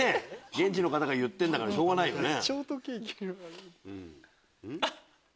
現地の方が言ってんだからしょうがないよね。